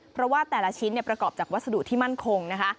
เพราะว่าแต่ละชิ้นประกอบจากวัสดุที่มั่นคงนะคะ